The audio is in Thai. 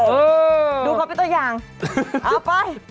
เออดูครับที่ตัวอย่างเอาไป